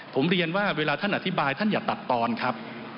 ผมเรียนว่าเวลาท่านอธิบายท่านอย่าตัดตอนครับ